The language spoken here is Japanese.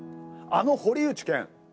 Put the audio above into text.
あの堀内健。